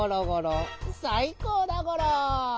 さいこうだゴロ！